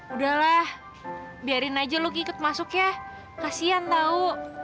udahlah biarin aja lo ikut masuk ya kasian tahu